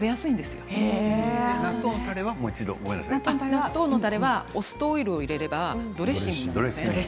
納豆のたれはお酢とオイルを入れればドレッシングになります。